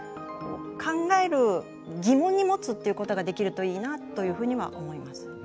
考える、疑問に持つってことができるといいなというふうには思います。